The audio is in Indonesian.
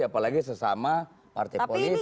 apalagi sesama partai politik